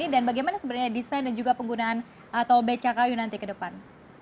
dan bagaimana sebenarnya desain dan juga penggunaan tol becakayu nanti ke depan